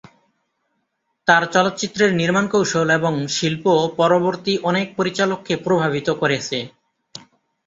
তার চলচ্চিত্রের নির্মাণ কৌশল এবং শিল্প পরবর্তী অনেক পরিচালককে প্রভাবিত করেছে।